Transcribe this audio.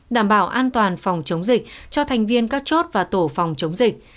đảm bảo an toàn phòng chống dịch cho thành viên các chốt và tổ phòng chống dịch